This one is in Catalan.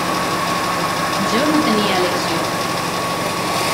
Jo no tenia elecció.